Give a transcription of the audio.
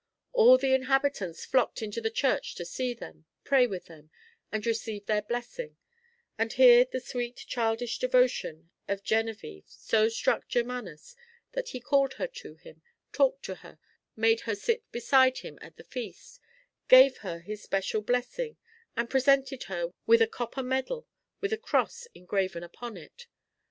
All the inhabitants flocked into the church to see them, pray with them, and receive their blessing; and here the sweet childish devotion of Geneviéve so struck Germanus, that he called her to him, talked to her, made her sit beside him at the feast, gave her his special blessing, and presented her with a copper medal with a cross engraven upon it.